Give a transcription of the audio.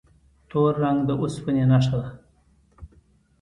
تور رنګ د اوسپنې نښه ده.